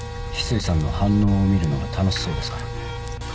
翡翠さんの反応を見るのが楽しそうですから。